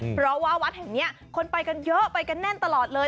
เพราะว่าวัดแห่งนี้คนไปกันเยอะไปกันแน่นตลอดเลย